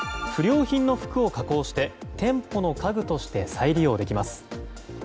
不良品の服を加工して店舗の家具として再利用できます。